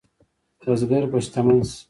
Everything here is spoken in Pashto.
بزګر به شتمن شي؟